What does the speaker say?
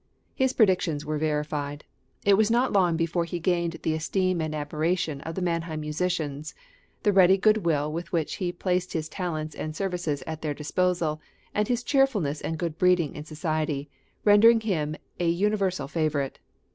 His predictions were verified. It was not long before he had gained the esteem and admiration of the Mannheim musicians, the ready goodwill with which he placed his talents and services at their disposal, and his cheerfulness and good breeding in society, rendering him a universal favourite.